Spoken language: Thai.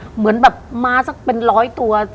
เหมือนแบบมาสักเป็น๑๐๐ตัว